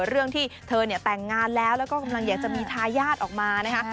เรื่องที่เธอเนี่ยแต่งงานแล้วแล้วก็กำลังอยากจะมีทายาทออกมานะคะ